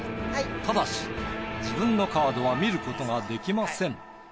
ただし自分のカードは見ることができません。